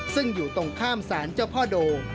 ซึ่งอยู่ตรงข้ามศาลเจ้าพ่อโด